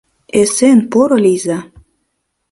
Эсен-поро лийза!